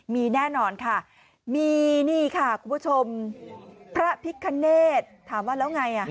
มีแน่นอนค่ะมีนี่ค่ะคุณผู้ชมพระพิคเนธถามว่าแล้วไง